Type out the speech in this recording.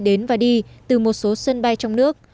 đến và đi từ một số sân bay trong nước